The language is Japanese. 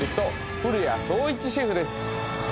古屋壮一シェフです